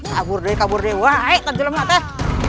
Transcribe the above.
kabur deh kabur deh waaaii tanjalan ke atas